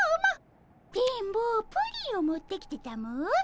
「電ボプリンを持ってきてたも」